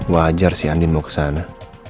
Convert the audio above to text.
wajar sih andi mau ke sana